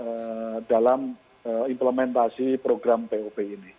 respon baik dari kementerian keputusan terutama mas menteri nadiem mendengar protes publik ini